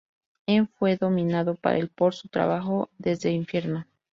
En fue nominado para el por su trabajo en "Desde Infierno.